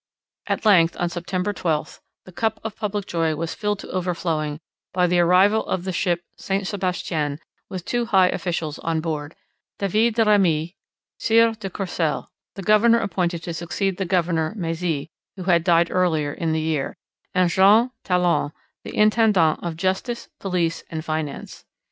At length, on September 12, the cup of public joy was filled to overflowing by the arrival of the ship Saint Sebastien with two high officials on board, David de Remy, Sieur de Courcelle, the governor appointed to succeed the governor Mezy, who had died earlier in the year, and Jean Talon, the intendant of justice, police, and finance.